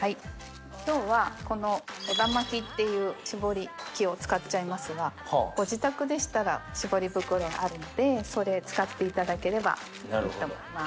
今日はこの小田巻っていう絞り器を使っちゃいますがご自宅でしたら絞り袋があるのでそれ使っていただければいいと思います。